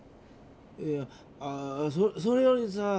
いやあそれよりさ